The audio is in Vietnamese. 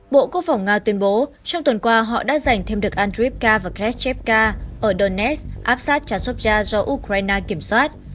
bộ quốc phòng nga tuyên bố trong tuần qua họ đã giành thêm được andriyivka và kreschevka ở donetsk áp sát chả sốc gia do ukraine kiểm soát